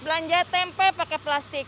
belanja tempe pakai plastik